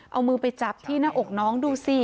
เอามือไปจับที่หน้าอกน้องดูสิ